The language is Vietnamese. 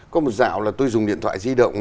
có một dạng là tôi dùng điện thoại di động